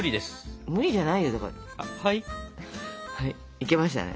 いけましたね。